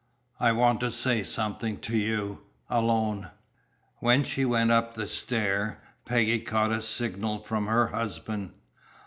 I want to say something to you alone." When she went up the stair, Peggy caught a signal from her husband.